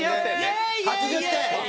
８０点ね。